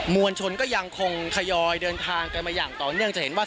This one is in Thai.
วลชนก็ยังคงทยอยเดินทางกันมาอย่างต่อเนื่องจะเห็นว่า